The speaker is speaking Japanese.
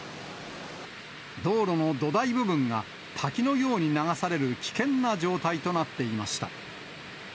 道路の土台部分が滝のように流される危険な状態となっていました。